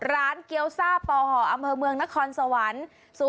ร้านเกี๊ยวซ่าปหอเมืองนครสวรรค์